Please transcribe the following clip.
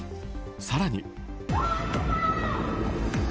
更に。